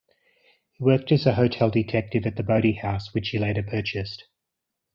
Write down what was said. He worked as a hotel detective at the Boody House, which he later purchased.